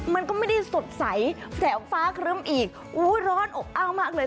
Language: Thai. มันก็ไม่ได้สดใสแสงฟ้าครึ้มอีกร้อนอบอ้าวมากเลย